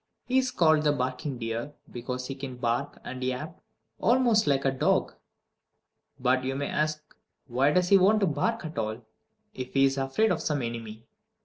He is called the barking deer, because he can bark or yap almost like a dog. But, you may ask, why does he want to bark at all, if he is afraid of some enemy?